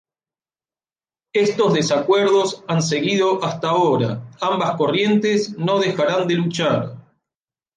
Estos desacuerdos han seguido hasta ahora; ambas corrientes no dejarán de luchar.